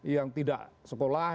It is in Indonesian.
yang tidak sekolah